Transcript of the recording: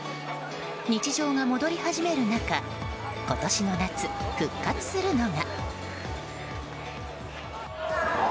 日常が戻り始める中今年の夏、復活するのが。